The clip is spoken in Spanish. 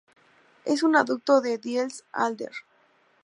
Es un aducto de Diels-Alder.